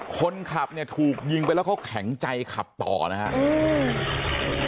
คนขับเนี่ยถูกยิงไปแล้วเขาแข็งใจขับต่อนะครับ